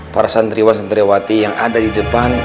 para santriwa santriwati yang ada di depan